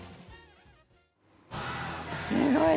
すごい。